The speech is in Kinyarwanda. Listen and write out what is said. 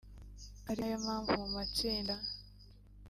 ari nayo mpamvu mu matsinda